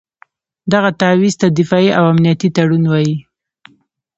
دغه تعویض ته دفاعي او امنیتي تړون وایي.